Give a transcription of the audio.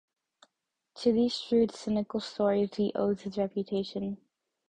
To these shrewd cynical stories he owes his reputation.